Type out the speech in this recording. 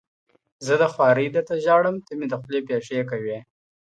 ¬ زه د خوارۍ در ته ژاړم، ته مي د خولې پېښې کوې.